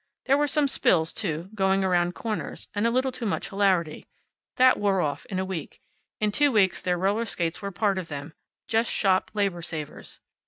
There were some spills, too, going around corners, and a little too much hilarity. That wore off in a week. In two weeks their roller skates were part of them; just shop labor savers.